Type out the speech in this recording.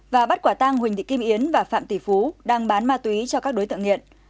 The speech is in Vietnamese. và bắt quả tang huỳnh thị kim yến và phạm tỷ phú đang bán ma túy cho các đối tượng nghiện